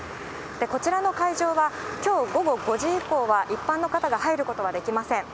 こちらの会場は、きょう午後５時以降は、一般の方が入ることはできません。